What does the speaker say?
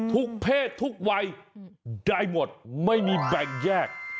เพศทุกวัยได้หมดไม่มีแบ่งแยก